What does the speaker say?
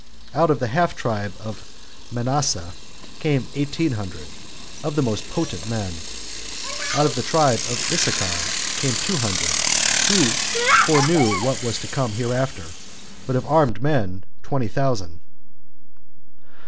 Out of the half tribe of Manasseh came eighteen thousand, of the most potent men. Out of the tribe of Issachar came two hundred, who foreknew what was to come hereafter, 3 but of armed men twenty thousand.